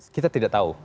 kita tidak tahu